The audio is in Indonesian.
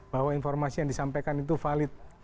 bahwa informasi yang disampaikan itu valid